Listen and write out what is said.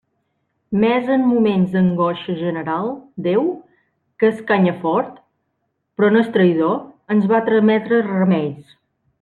Mes en moments d'angoixa general, Déu, que escanya fort, però no és traïdor, ens va trametre remeis.